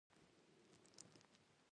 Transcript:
تیل باید له معياري ځایونو واخیستل شي.